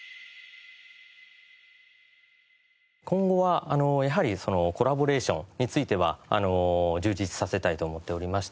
今後はやはりコラボレーションについては充実させたいと思っておりまして。